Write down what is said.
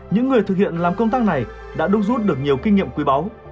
những người thực hiện làm công tác này đã đúc rút được nhiều kinh nghiệm quý báu